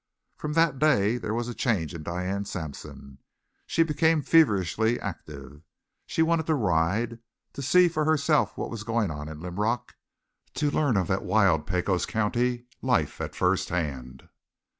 From that day there was a change in Diane Sampson. She became feverishly active. She wanted to ride, to see for herself what was going on in Linrock, to learn of that wild Pecos county life at first hand.